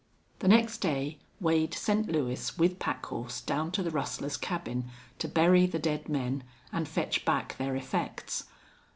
The next day Wade sent Lewis with pack horse down to the rustler's cabin, to bury the dead men and fetch back their effects.